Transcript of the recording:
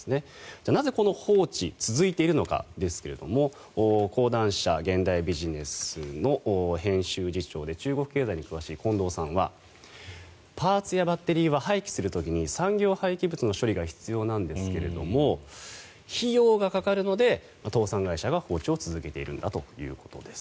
じゃあ、なぜこの放置続いているのかですが講談社現代ビジネスの編集次長で中国経済に詳しい近藤さんはパーツやバッテリーは廃棄する時に産業廃棄物の処理が必要なんですけれども費用がかかるので倒産会社が放置を続けているんだということです。